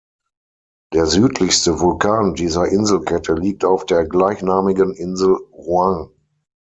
Der südlichste Vulkan dieser Inselkette liegt auf der gleichnamigen Insel Ruang.